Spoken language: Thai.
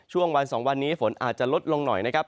ช่วงวัน๒วันนี้ฝนอาจจะลดลงหน่อยนะครับ